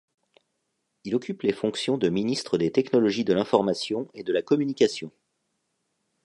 Il occupe les fonctions de ministre des Technologies de l'Information et de la Communication.